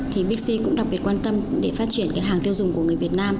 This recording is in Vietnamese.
thì bixi cũng đặc biệt quan tâm để phát triển cái hàng tiêu dùng của người việt nam